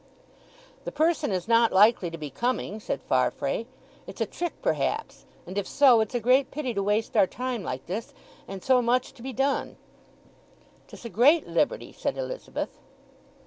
"The person is not likely to be coming," said Farfrae. "It's a trick perhaps, and if so, it's a great pity to waste our time like this, and so much to be done." "'Tis a great liberty," said Elizabeth.